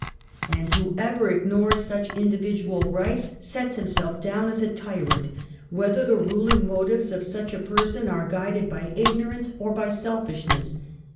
And whoever ignores such individual rights sets himself down as a tyrant, whether the ruling mo tives of such a person are guided by ignorance or by 52 UNMASKED. •selfishness.